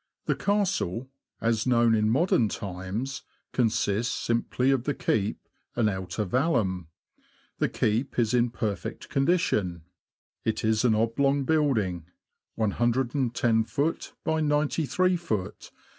The Castle, as known in modern times, con sists simply of the keep and outer vallum. The keep is in perfect condition ; it is an oblong building, iioft. by 93ft.